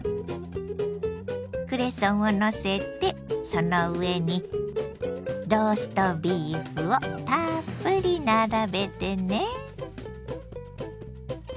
クレソンをのせてその上にローストビーフをたっぷり並べてね！